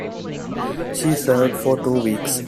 She served for two weeks.